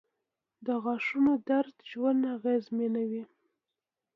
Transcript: • د غاښونو درد ژوند اغېزمنوي.